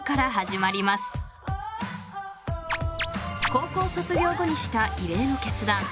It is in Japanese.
［高校卒業後にした異例の決断］